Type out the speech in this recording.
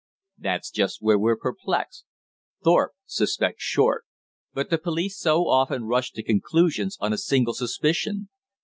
"That's just where we're perplexed. Thorpe suspects Short; but the police so often rush to conclusions on a single suspicion.